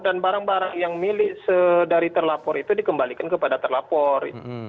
dan barang barang yang milik dari terlapor itu dikembalikan kepada terlapor